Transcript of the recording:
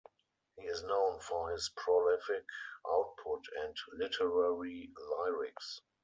He is known for his prolific output and literary lyrics.